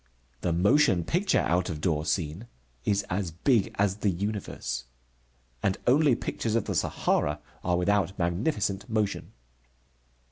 The motion picture out of door scene is as big as the universe. And only pictures of the Sahara are without magnificent motion.